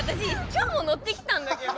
今日も乗ってきたんだけど。